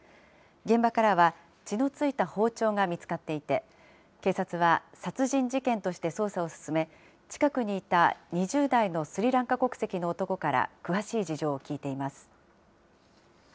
現場からは血の付いた包丁が見つかっていて、警察は殺人事件として捜査を進め、近くにいた２０代のスリランカ国籍の男から詳しい事情を聴いています。